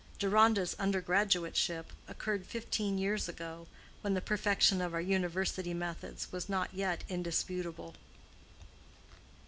(Deronda's undergraduateship occurred fifteen years ago, when the perfection of our university methods was not yet indisputable.)